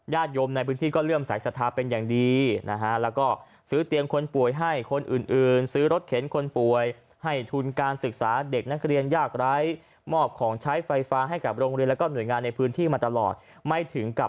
ญาติยมในพื้นที่ก็เรื่อมสายสถาเป็นอย่างดี